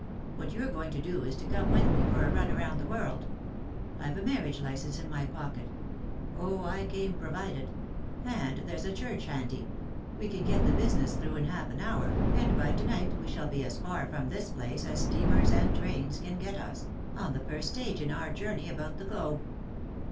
What you're going to do is to come with me for a run round the world. I've a marriage licence in my pocket — oh, I came provided—and there's a 30S 3i 9 iii^d by Google THE INTERRUPTED KISS church handy ; we can get the business through in half an hour, and by to night we shall be as far from this place as steamers and trains can get us — on the first stage in our journey about the globe."